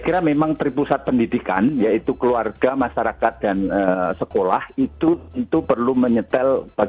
kira memang peribusat pendidikan yaitu keluarga masyarakat dan sekolah itu itu perlu menyetel